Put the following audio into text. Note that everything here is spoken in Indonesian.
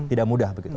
tidak mudah begitu